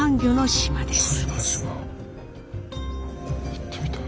行ってみたい。